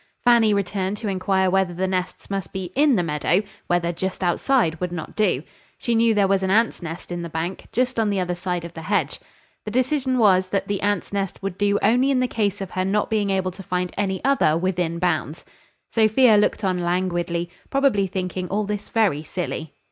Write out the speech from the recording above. Fanny returned to inquire whether the nests must be in the meadow; whether just outside would not do. She knew there was an ants' nest in the bank, just on the other side of the hedge. The decision was that the ants' nest would do only in case of her not being able to find any other within bounds. Sophia looked on languidly, probably thinking all this very silly.